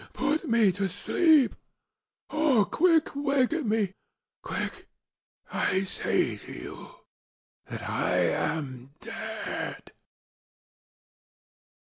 ŌĆöput me to sleepŌĆöor, quick! ŌĆöwaken me! ŌĆöquick! ŌĆöI say to you that I am dead!